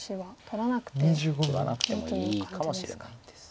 取らなくてもいいかもしれないです。